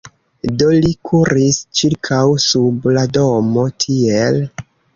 Do li kuris ĉirkaŭ sub la domo tiel: